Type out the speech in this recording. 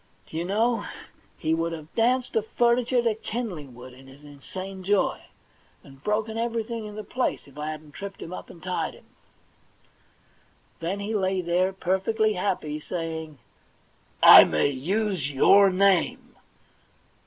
' Do you know, he would have danced the furni ture to kindling wood in his insane joy, and broken THE £1,000,000 BANK NOTE 33 everything on the place, if I hadn't tripped him up and tied him. Then he lay there, perfectly happy, saying :* I may use your name